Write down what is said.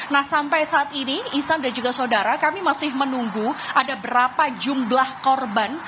nah sampai saat ini ihsan dan juga saudara kami masih menunggu ada berapa jumlah korban